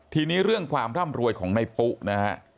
ทีนี้เรื่องความร่ำรวยของในปุ๊นะฮะ